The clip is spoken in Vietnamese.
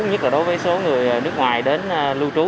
nhất là đối với số người nước ngoài đến lưu trú